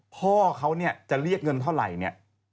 พ่อเขาเนี่ยจะเรียกเงินเท่าไหร่เนี่ย